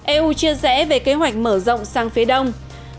eu chia rẽ về kế hoạch mở rộng sang phía đông